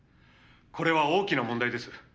「これは大きな問題です」